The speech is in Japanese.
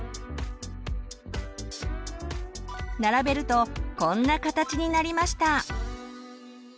並べるとこんな形になりました。